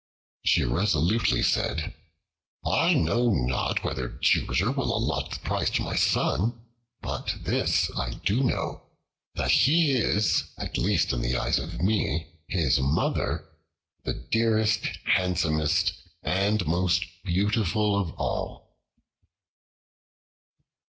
She resolutely said, "I know not whether Jupiter will allot the prize to my son, but this I do know, that he is at least in the eyes of me his mother, the dearest, handsomest, and most beautiful of all."